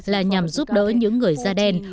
là nhằm giúp đỡ những người da đen